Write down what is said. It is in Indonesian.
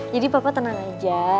jadi papa tenang aja